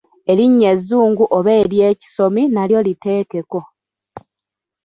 Erinnya ezzungu oba ery’ekisomi nalyo liteekeko.